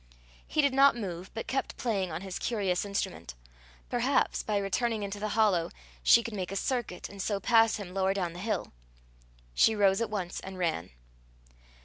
He did not move, but kept playing on his curious instrument. Perhaps, by returning into the hollow, she could make a circuit, and so pass him, lower down the hill. She rose at once and ran.